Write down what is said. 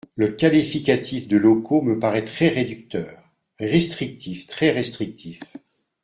Le qualificatif de « locaux » me paraît très réducteur… Restrictif ! Très restrictif.